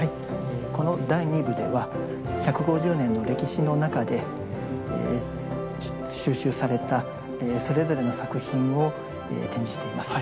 この第２部では１５０年の歴史の中で収集されたそれぞれの作品を展示しています。